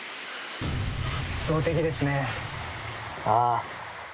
ああ。